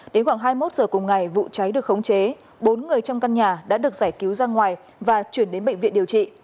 đến khoảng hai mươi một h cùng ngày vụ cháy được khống chế bốn người trong căn nhà đã được giải cứu ra ngoài và chuyển đến bệnh viện điều trị